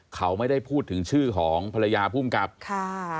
เขาไม่ได้พูดถึงชื่อของภรรยาภูมิกับค่ะ